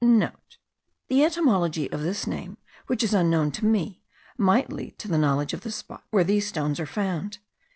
(* The etymology of this name, which is unknown to me, might lead to the knowledge of the spot where these stones are found.